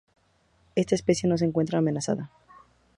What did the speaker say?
Está especie no se encuentra amenazada.